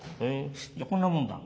じゃあこんなもんだ。